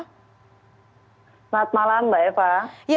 selamat malam mbak eva